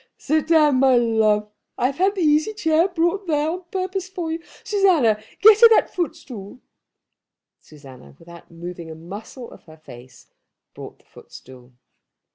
"Sit down, my love. I have had the easy chair brought there on purpose for you. Susanna, get her that footstool." Susanna, without moving a muscle of her face, brought the footstool.